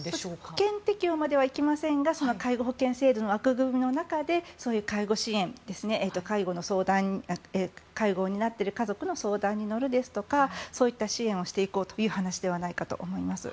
保険適用までは行きませんが介護保険制度の枠組みの中でそういう介護支援介護を担っている家族の相談に乗るですとかそういった支援をしていこうという話ではないかと思います。